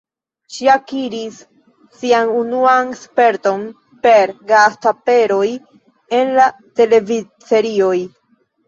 Ŝi akiris sian unuan sperton per gast-aperoj en televidserioj.